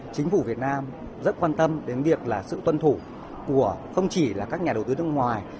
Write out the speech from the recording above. chính phủ việt nam rất quan tâm đến việc là sự tuân thủ của không chỉ là các nhà đầu tư nước ngoài